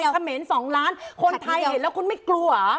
เขมร๒ล้านคนไทยเห็นแล้วคุณไม่กลัว